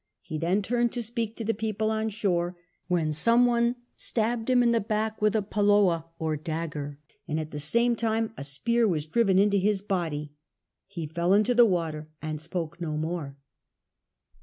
lie tlftui turned to speak to the people on shore, wlien some one stabbed him in the back with a liolloa or dagger, ami at the same time a spear was driven into his hotly. He fell into the water and spoke no more.